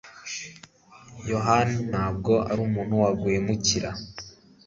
yohana ntabwo arumuntu waguhemukira